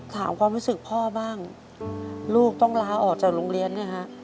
ถามความรู้สึกพ่อบ้างลูกต้องลาออกจากโรงเรียนเนี่ยฮะ